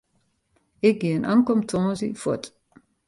Ik gean ankom tongersdei fuort.